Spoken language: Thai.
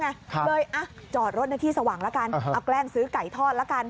เลยอ่ะจอดรถในที่สว่างละกันเอาแกล้งซื้อไก่ทอดละกัน